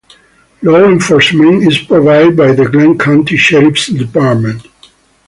Law enforcement is provided by the Glenn County Sheriff's Department.